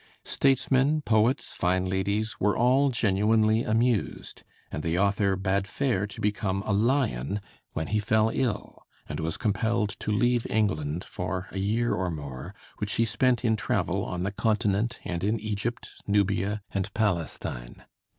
Statesmen, poets, fine ladies, were all genuinely amused; and the author bade fair to become a lion, when he fell ill, and was compelled to leave England for a year or more, which he spent in travel on the Continent and in Egypt, Nubia, and Palestine.